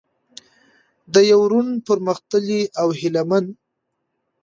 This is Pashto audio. د يو روڼ، پرمختللي او هيله من